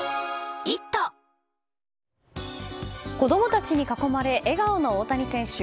子供たちに囲まれ笑顔の大谷選手。